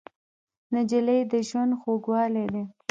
نجلۍ د ژوند خوږوالی دی.